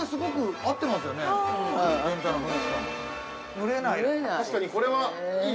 ◆蒸れない。